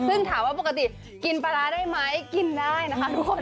ซึ่งถามว่าปกติกินปลาร้าได้ไหมกินได้นะคะ